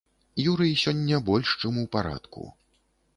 Юрый сёння больш чым у парадку.